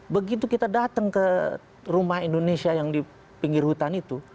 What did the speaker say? begitu kita datang ke rumah indonesia yang di pinggir hutan itu